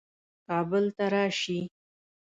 کابل ته راسي.